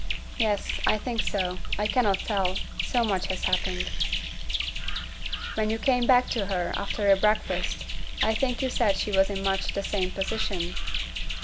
'Yes, I think so; I cannot tell, so much has happened.' 'When you came back to her, after your breakfast, I think you said she was in much the same position?'